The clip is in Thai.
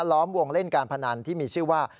ล้อมวงเล่นการพนันที่มีชื่อว่า